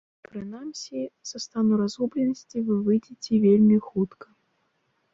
Прынамсі, са стану разгубленасці вы выйдзеце вельмі хутка.